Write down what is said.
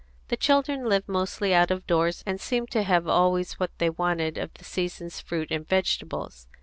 The children lived mostly out of doors, and seemed to have always what they wanted of the season's fruit and vegetables.